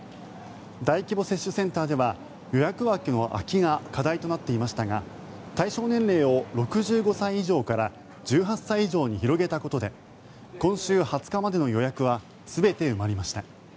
大規模接種センターでは予約枠の空きが課題となっていましたが対象年齢を６５歳以上から１８歳以上に広げたことで今週２０日までの予約は全て埋まりました。